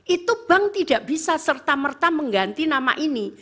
itu bank tidak bisa serta merta mengganti nama ini